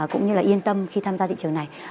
khi tham gia thị trường này